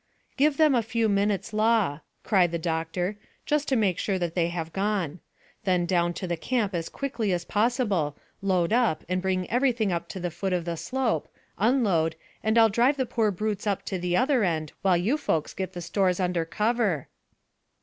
"Give them a few minutes' law," cried the doctor, "just to make sure that they have gone. Then down to the camp as quickly as possible, load up, and bring everything up to the foot of the slope, unload, and I'll drive the poor brutes up to the other end while you folks get the stores under cover."